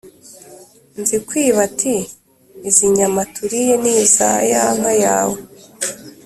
Nzikwiba ati: "Izi nyama turiye ni iza ya nka yawe